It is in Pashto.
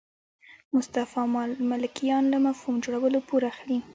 مصطفی ملکیان له مفهوم جوړولو پور اخلي.